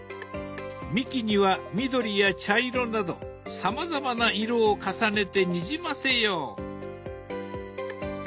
幹には緑や茶色などさまざまな色を重ねてにじませよう。